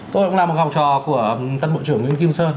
tôi cũng là một học trò của tân bộ trưởng nguyễn kim sơn